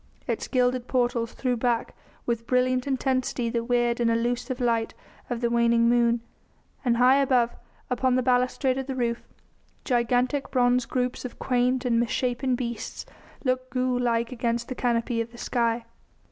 Its gilded portals threw back with brilliant intensity the weird and elusive light of the waning moon, and high above, upon the balustrade of the roof, gigantic bronze groups of quaint and misshapen beasts looked ghoul like against the canopy of the sky.